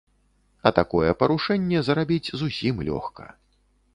А такое парушэнне зарабіць зусім лёгка.